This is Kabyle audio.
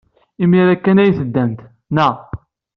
Imir-a kan ay teddamt, naɣ?